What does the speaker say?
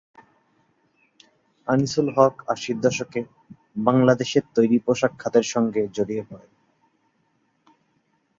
আনিসুল হক আশির দশকে বাংলাদেশের তৈরি পোশাক খাতের সঙ্গে জড়িয়ে পড়েন।